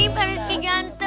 pak rizky ganteng